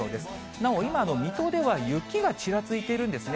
なお、今、水戸では雪がちらついているんですね。